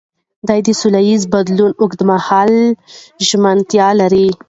ده د سولهییز بدلون اوږدمهاله ژمنتیا لري.